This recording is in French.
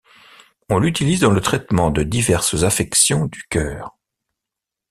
On l'utilise dans le traitement de diverses affections du cœur.